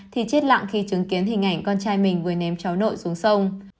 thì chết lặng khi chứng kiến hình ảnh con trai mình vừa ném cháu nội xuống sông